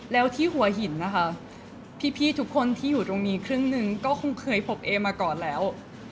แล้วที่หัวหินนะคะพี่ทุกคนที่อยู่ตรงนี้ครึ่งหนึ่งก็คงเคยพบเอมาก่อนแล้ว